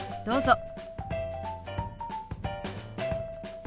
どうぞ。